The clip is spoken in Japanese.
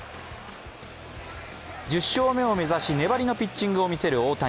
１０勝目を目指し粘りのピッチングを見せる大谷。